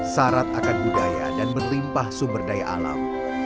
syarat akan budaya dan berlimpah sumber daya alam